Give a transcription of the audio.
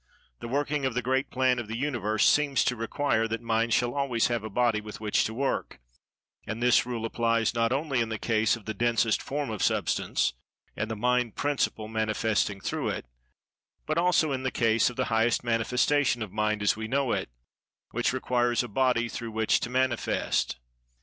The working of the Great Plan of the Universe seems to require that Mind shall always have a body with which to work, and this rule applies not only in the case of the densest form of Substance and the Mind principle manifesting through it, but also in the case of the highest manifestation of Mind, as we know it, which requires a body through which to manifest.